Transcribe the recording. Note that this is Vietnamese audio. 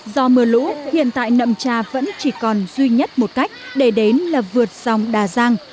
do mưa lũ hiện tại nậm trà vẫn chỉ còn duy nhất một cách để đến là vượt sông đà giang